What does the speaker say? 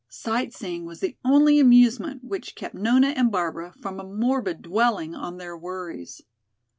Sight seeing was the only amusement which kept Nona and Barbara from a morbid dwelling on their worries.